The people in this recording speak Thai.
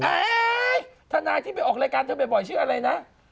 ทนายที่ไปออกรายการเธอบ่อยชื่ออะไรนะ